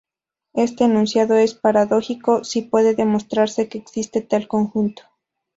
Este enunciado es paradójico si puede demostrarse que existe tal conjunto.